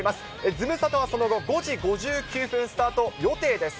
ズムサタはその後、５時５９分スタート予定です。